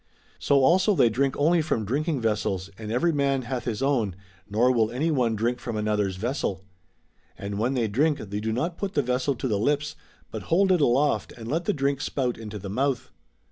So also they drink only from drinking vessels, and every man hath his own ;. nor will any one drink from another's vessel. And when they drink they do not put the vessel to the lips, but hold it aloft and let the drink spout into the mouth.